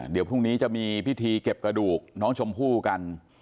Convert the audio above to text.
เดี๋ยวพรุ่งนี้จะมีพิธีเก็บกระดูกน้องชมพู่กัน